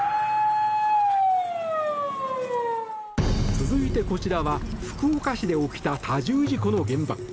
続いてこちらは、福岡市で起きた多重事故の現場。